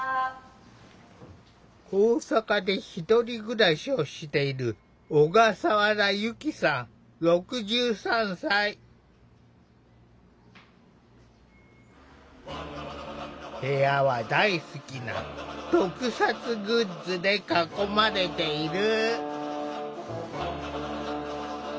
大阪で１人暮らしをしている部屋は大好きな特撮グッズで囲まれている。